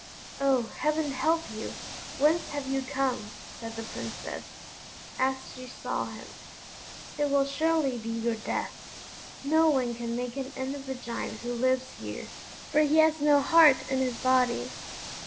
"Oh! heaven help you! whence have you come?" said the Princess, as she saw him; "it will surely be your death. No one can make an end of the Giant who lives here, for he has no heart in his body."